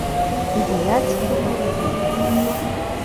І гуляць, думаю, буду.